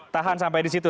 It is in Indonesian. tahan sampai disitu